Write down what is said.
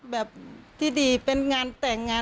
แบบที่ดีนะคะแบบที่ดีนะคะ